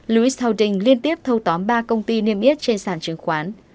lewis holdings liên tiếp thâu tóm ba công ty niêm yết trên sàn chứng khoán